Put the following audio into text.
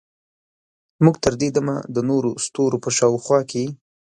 موږ تر دې دمه د نورو ستورو په شاوخوا کې